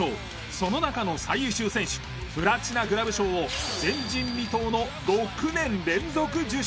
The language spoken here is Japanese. その中の最優秀選手プラチナグラブ賞を前人未到の６年連続受賞。